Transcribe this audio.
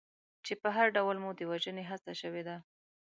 چې په هر ډول مو د وژنې هڅه شوې ده.